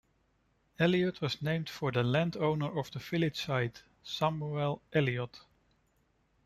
Elliott was named for the landowner of the village site, Samuel Elliott.